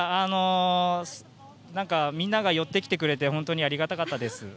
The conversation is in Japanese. みんなが寄ってきてくれて本当にありがたかったです。